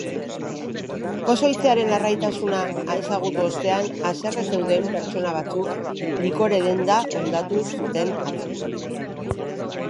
Pozoitzearen larritasuna ezagutu ostean, haserre zeuden pertsona batzuk likore-denda hondatu zuten atzo.